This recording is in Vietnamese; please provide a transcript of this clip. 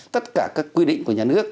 tất cả các quy định của nhà nước